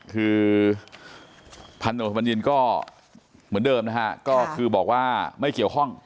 คือพันโดบัญญินก็เหมือนเดิมนะฮะก็คือบอกว่าไม่เกี่ยวข้อง